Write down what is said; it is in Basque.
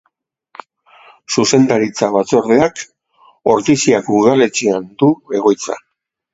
Zuzendaritza Batzordeak Ordiziako Udaletxean du egoitza.